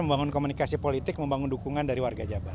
membangun komunikasi politik membangun dukungan dari warga jabar